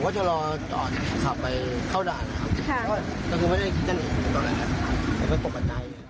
ก็ไม่ได้คิดจะหนีกันตอนนั้นครับมันก็ตกกับใจ